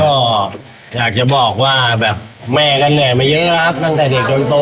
ก็อยากจะบอกว่าแบบแม่ก็เหนื่อยมาเยอะครับตั้งแต่เด็กจนโต